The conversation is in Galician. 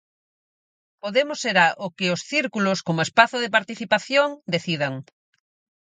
Podemos será o que os Círculos, como espazo de participación, decidan.